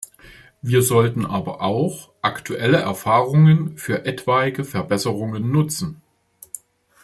Wir sollten aber auch aktuelle Erfahrungen für etwaige Verbesserungen nutzen.